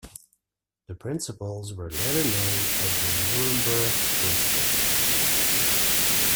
The principles were later known as the Nuremberg Principles.